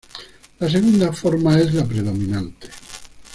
La segunda forma es la predominante.